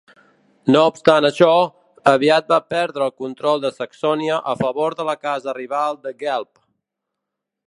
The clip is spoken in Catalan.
No obstant això, aviat va perdre el control de Saxònia a favor de la casa rival de Guelph.